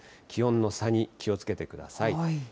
気温の差に気をつけてください。